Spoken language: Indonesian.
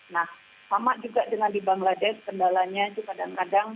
nah sama juga dengan di bangladesh kendalanya itu kadang kadang